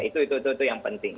itu itu yang penting